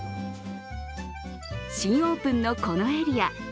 新オープンの、このエリア